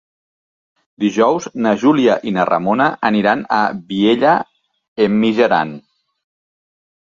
Dijous na Júlia i na Ramona aniran a Vielha e Mijaran.